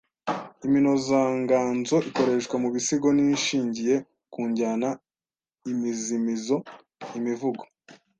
Iminozanganzo ikoreshwa mu bisigo ni ishingiye ku njyana imizimizo imivugo